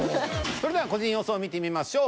それでは個人予想を見てみましょう。